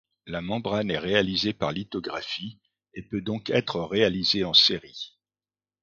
La membrane est réalisée par lithographie et peut donc être réalisée en série.